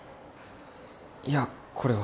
いやこれは